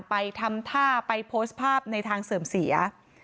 ไปทำท่าไปโพสต์ภาพในทางเสื่อมเสีย